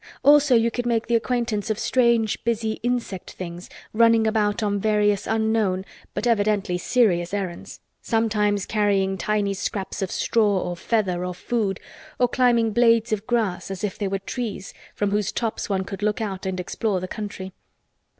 Also you could make the acquaintance of strange busy insect things running about on various unknown but evidently serious errands, sometimes carrying tiny scraps of straw or feather or food, or climbing blades of grass as if they were trees from whose tops one could look out to explore the country.